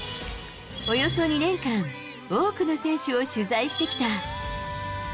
およそ２年間、多くの選手を取材してきた。